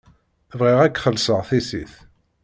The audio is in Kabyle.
Bɣiɣ ad k-xellṣeɣ tissit.